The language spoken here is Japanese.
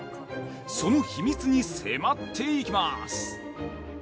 その秘密に迫っていきます。